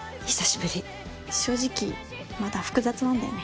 正直まだ複雑なんだよね。